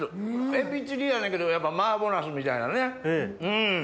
エビチリやねんけどマーボーナスみたいなねうん！